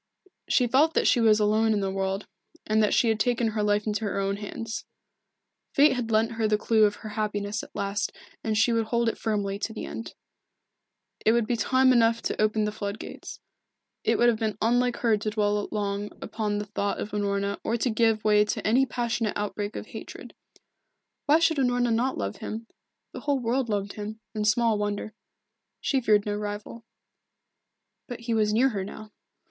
She felt that she was alone in the world, and that she had taken her life into her own hands. Fate had lent her the clue of her happiness at last and she would hold it firmly to the end. It would be time enough then to open the flood gates. It would have been unlike her to dwell long upon the thought of Unorna or to give way to any passionate outbreak of hatred. Why should Unorna not love him? The whole world loved him, and small wonder. She feared no rival. But he was near her now.